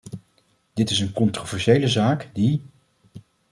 Dit is een controversiële zaak, die...